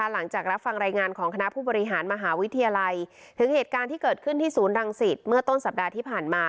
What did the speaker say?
หลังจากรับฟังรายงานของคณะผู้บริหารมหาวิทยาลัยถึงเหตุการณ์ที่เกิดขึ้นที่ศูนย์รังสิตเมื่อต้นสัปดาห์ที่ผ่านมา